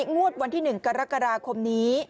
งวดวัลที่หนึ่งกรกราคมนี้